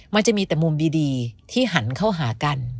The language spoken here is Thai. มันจะมีแต่มุมดีที่หันเข้าหากัน